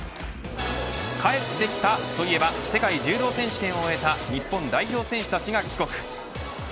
帰ってきたといえば世界柔道選手権を終えた日本代表選手たちが帰国。